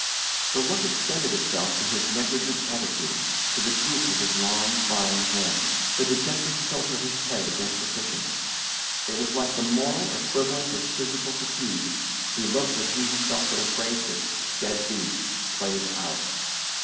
The look extended itself to his negligent attitude, to the droop of his long fine hands, the dejected tilt of his head against the cushions. It was like the moral equivalent of physical fatigue: he looked, as he himself would have phrased it, dead beat, played out.